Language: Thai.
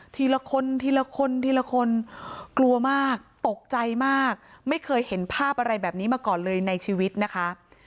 ทีละคนทีละคนทีละคนกลัวมากตกใจมากไม่เคยเห็นภาพอะไรแบบนี้มาก่อนเลยในชีวิตนะคะ